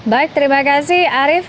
baik terima kasih arief